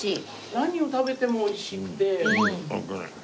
何を食べてもおいしくて。